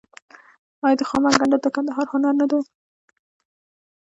آیا د خامک ګنډل د کندهار هنر نه دی؟